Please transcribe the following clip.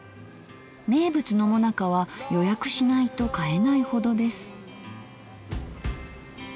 名物のもなかは予約しないと買えないほどです。